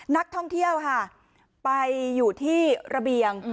นักท่องเที่ยวค่ะไปอยู่ที่ระเบียง